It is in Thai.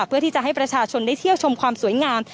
เพื่อที่จะให้ประชาชนได้เที่ยวชมความสวยงาม